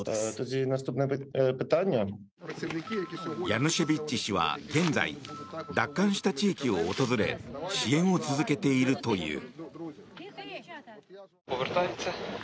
ヤヌシェビッチ氏は現在奪還した地域を訪れ支援を続けているという。